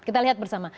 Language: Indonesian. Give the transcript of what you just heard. kita lihat bersama